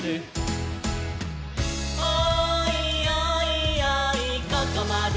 「おーいおいおいここまで」